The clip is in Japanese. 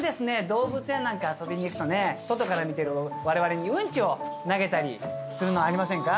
動物園なんか遊びに行くとね外から見てるわれわれにうんちを投げたりするのありませんか？